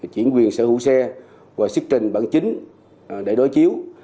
chuyển quyền sở hữu xe và xức trình bản chính